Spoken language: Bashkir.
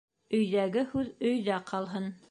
Өйҙәге һүҙ өйҙә ҡалһын.